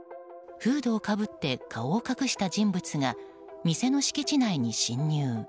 フードをかぶって顔を隠した人物が店の敷地内に侵入。